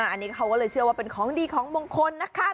อันนี้เขาก็เลยเชื่อว่าเป็นของดีของมงคลนะคะ